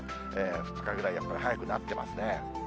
２日ぐらい、やっぱり早くなってますね。